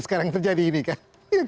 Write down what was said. sekarang terjadi ini kan